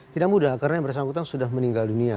tidak mudah karena yang bersangkutan sudah meninggal dunia